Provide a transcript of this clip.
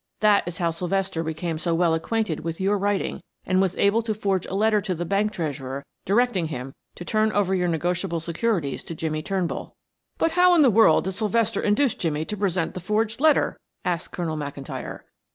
That is how Sylvester became so well acquainted with your writing and was able to forge a letter to the bank treasurer directing him to turn over your negotiable securities to Jimmie Turnbull." "But how in the world did Sylvester induce Jimmie to present the forged letter?" asked Colonel McIntyre.